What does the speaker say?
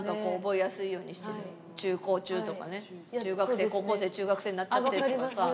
中学生高校生中学生になっちゃってとかさ。